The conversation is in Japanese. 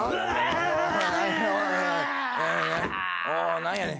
何やねん？